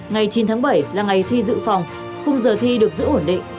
ngày chín tháng bảy là ngày thi dự phòng khung giờ thi được giữ ổn định